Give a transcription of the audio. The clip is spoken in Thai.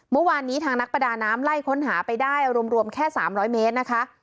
เมื่อวานนี้ทางนักประดาน้ำไล่ค้นหาไปได้รวมแค่๓๐๐เมตรนะคะ